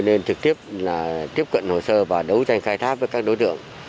nên trực tiếp là tiếp cận hồ sơ và đấu tranh khai thác với các đối tượng